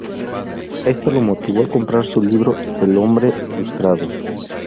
Esto lo motivó a comprar su libro "El hombre ilustrado".